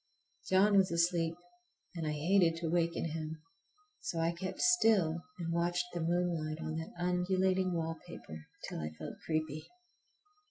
John was asleep and I hated to waken him, so I kept still and watched the moonlight on that undulating wallpaper till I felt creepy.